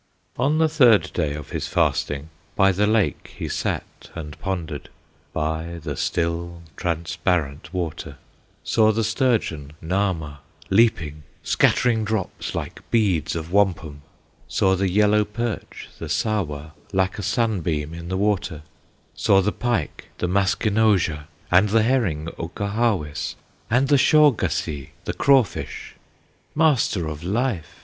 On the third day of his fasting By the lake he sat and pondered, By the still, transparent water; Saw the sturgeon, Nahma, leaping, Scattering drops like beads of wampum, Saw the yellow perch, the Sahwa, Like a sunbeam in the water, Saw the pike, the Maskenozha, And the herring, Okahahwis, And the Shawgashee, the crawfish! "Master of Life!"